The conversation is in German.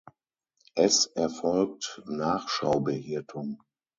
Es erfolgt Nachschaubehirtung.